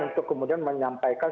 untuk kemudian menyampaikan